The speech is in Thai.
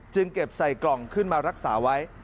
เก็บใส่กล่องขึ้นมารักษาไว้